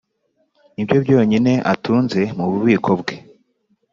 Ni byo byonyine atunze mu bubiko bwe